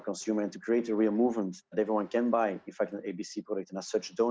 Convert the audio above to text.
jika anda melihatnya di indonesia jelas channel minimarket yang tepat untuk mencapai para konsumen